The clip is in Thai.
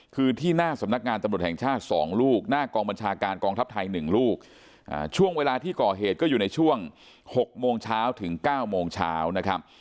คือที่หน้าสำนักงานตำรวจแห่งชาติ๒ลูกหน้ากองบัญชาการกองทัพไทย๑ลูกช่วงเวลาที่ก่อเหตุก็อยู่ในช่วง๖โมงเช้าถึง๙โมงเช้านะครับ